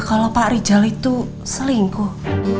kalau pak rijal itu selingkuh